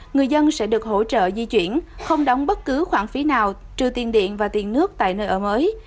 người dân sẽ được hỗ trợ di chuyển không đóng bất cứ khoản phí nào trừ tiền điện và tiền nước tại nơi ở mới